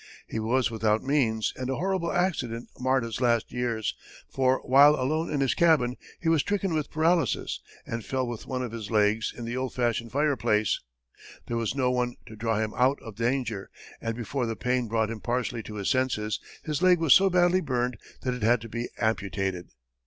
He was without means, and a horrible accident marred his last years, for, while alone in his cabin, he was stricken with paralysis, and fell with one of his legs in the old fashioned fire place. There was no one to draw him out of danger, and before the pain brought him partially to his senses, his leg was so badly burned that it had to be amputated.